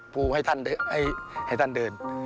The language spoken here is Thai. ภูมิให้ท่านเดิน